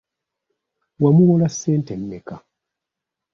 Wamuwola ssente mmeka?